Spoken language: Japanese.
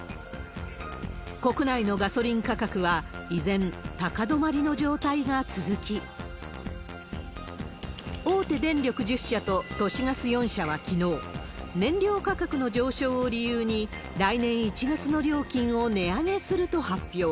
国内のガソリン価格は依然、高止まりの状態が続き、大手電力１０社と都市ガス４社はきのう、燃料価格の上昇を理由に、来年１月の料金を値上げすると発表。